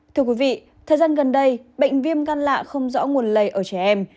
thưa quý vị thời gian gần đây bệnh viêm gan lạ không rõ nguồn lây ở trẻ em